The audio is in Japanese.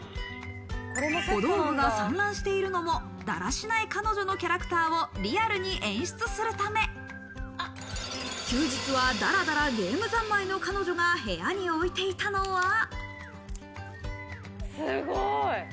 小道具が散乱しているのも、だらしない彼女のキャラクターをリアルに演出するため、休日は、だらだらゲームざんまいの彼女が部屋に置いていたのは。